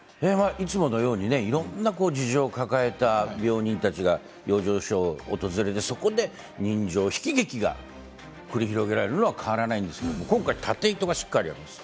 いつものようにいろんな事情を抱えた病人たちが養生所を訪れるんですが人情喜劇が繰り広げられるのは変わらないんですが今回は縦糸がしっかりあるんです。